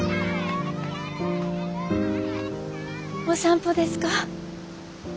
お散歩ですか？